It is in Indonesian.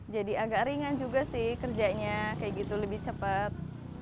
jadi agak ringan juga sih kerjanya kayak gitu lebih cepat